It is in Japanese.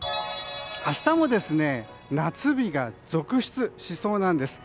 明日も夏日が続出しそうなんです。